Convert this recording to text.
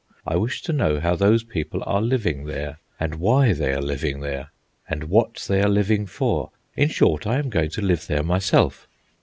I wish to know how those people are living there, and why they are living there, and what they are living for. In short, I am going to live there myself."